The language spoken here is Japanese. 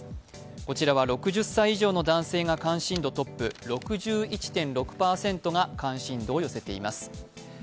こちらは６０歳以上の男性が関心度トップ、６１．６％が関心度を寄せています。